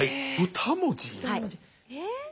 えっ？